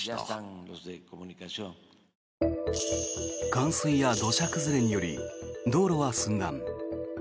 冠水や土砂崩れにより道路は寸断。